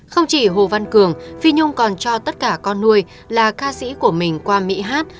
không chỉ hồ văn cường phi nhung còn cho tất cả con nuôi là ca sĩ của mình qua mỹ hát